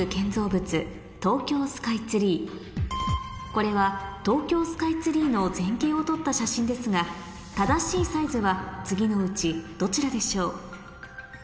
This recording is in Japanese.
これは東京スカイツリーの全景を撮った写真ですが正しいサイズは次のうちどちらでしょう？